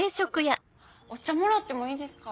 お茶もらってもいいですか？